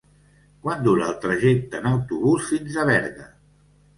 Quant dura el trajecte en autobús fins a Berga?